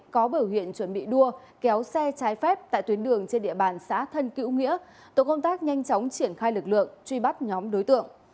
có biểu hiện chuẩn bị đua kéo xe trái phép tại tuyến đường trên địa bàn xã thân cữu nghĩa tổ công tác nhanh chóng triển khai lực lượng truy bắt nhóm đối tượng